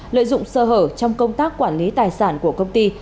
lợi dụng sơ hở trong công tác quản lý tài sản của công ty